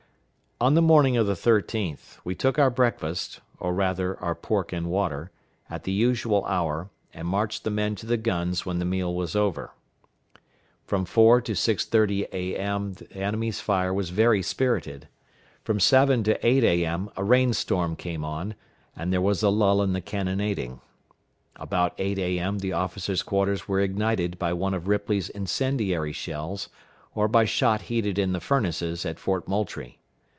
On the morning of the 13th, we took our breakfast or, rather, our pork and water at the usual hour, and marched the men to the guns when the meal was over. From 4 to 6.30 A.M. the enemy's fire was very spirited. From 7 to 8 A.M. a rain storm came on, and there was a lull in the cannonading. About 8 A.M. the officers' quarters were ignited by one of Ripley's incendiary shells, or by shot heated in the furnaces at Fort Moultrie.